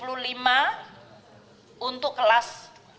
rp tujuh puluh lima untuk kelas dua